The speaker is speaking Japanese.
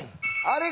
あれ？